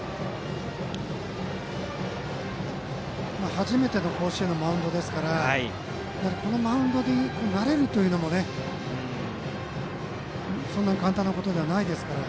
初めての甲子園のマウンドですからやはりこのマウンドに慣れるというのもそんなに簡単なことではないですから。